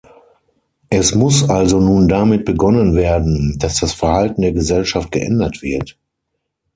Es muss also nun damit begonnen werden, dass das Verhalten der Gesellschaft geändert wird.